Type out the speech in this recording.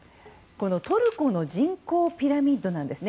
トルコの人口ピラミッドです。